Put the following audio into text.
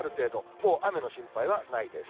もう雨の心配はないです。